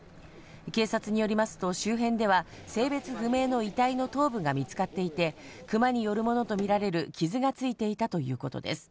警察によりますと、周辺では性別不明の遺体の頭部が見つかっていて、クマによるものとみられる傷がついていたということです。